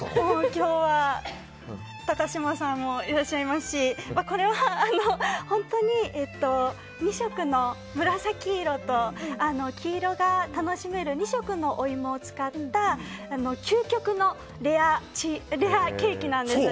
今日は、高嶋さんもいらっしゃいますしこれは本当に紫色と黄色が楽しめる２色のお芋を使った究極のレアケーキなんです。